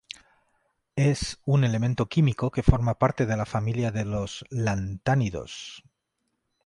Es un elemento químico que forma parte de la familia de los lantánidos.